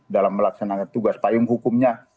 dalam melaksanakan tugas payung hukumnya